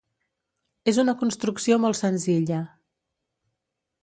És una construcció molt senzilla.